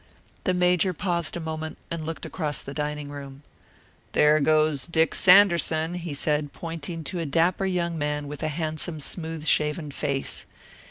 The Major paused a moment and looked across the dining room. "There goes Dick Sanderson," he said, pointing to a dapper young man with a handsome, smooth shaven face.